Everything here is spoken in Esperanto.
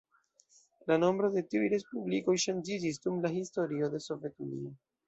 La nombro de tiuj respublikoj ŝanĝiĝis dum la historio de Sovetunio.